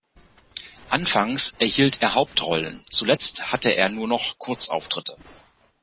Anfangs erhielt er Hauptrollen, zuletzt hatte er nur noch Kurzauftritte.